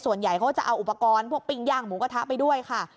ส่วนใหญ่เขาก็จะเอาอุปกรณ์พวกปิ้งย่างหมูกระทะไปด้วยค่ะ